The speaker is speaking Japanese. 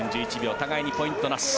互いにポイントなし。